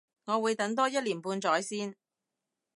我會等多一年半載先